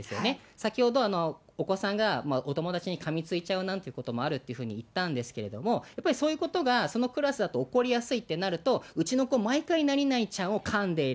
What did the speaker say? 先ほど、お子さんがお友達にかみついちゃうなんてこともあるっていうふうに言ったんですけど、やっぱりそういうことがそのクラスだと起こりやすいってなると、うちの子、毎回、何々ちゃんをかんでいる。